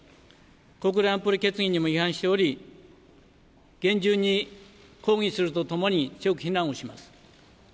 国連安保理決議にも違反しており、厳重に抗議するとともに、強く非難をします。